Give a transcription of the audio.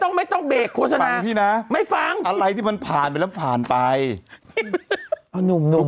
เกรงข้อสอบเกรงข้อสอบเกรงข้อสอบเกรงข้อสอบ